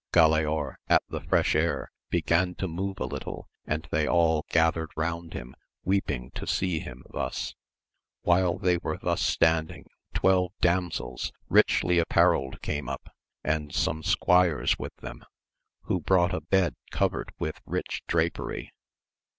Galaor at the fresh air began to move a little, and they all gathered round him weeping to see him thus. "While they were thus standing twelve damsels richly apparelled came up, and some squires with them, who brought a bed covered with rich drapery.